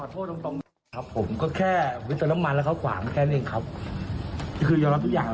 ตอนนี้มันนึกไม่ออกแล้วครับเป็นจริง